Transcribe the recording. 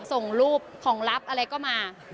ส่งรูปของลับอะไรก็มา